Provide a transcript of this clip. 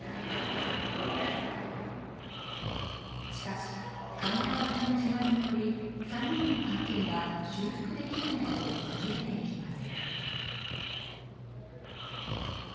しかし、考え方の違いにより、３人の関係は修復できないほど崩れていきます。